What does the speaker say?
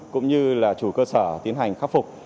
cũng như là chủ cơ sở tiến hành khắc phục